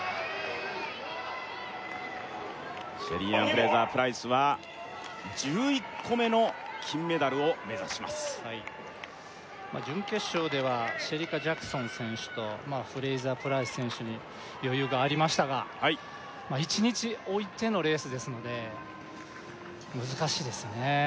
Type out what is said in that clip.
シェリーアン・フレイザープライスは１１個目の金メダルを目指します準決勝ではシェリカ・ジャクソン選手とフレイザープライス選手に余裕がありましたが１日置いてのレースですので難しいですよね